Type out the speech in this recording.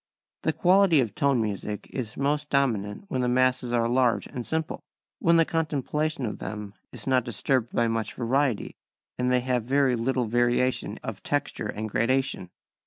#This quality of tone music is most dominant when the masses are large and simple#, when the contemplation of them is not disturbed by much variety, and they have little variation of texture and gradation.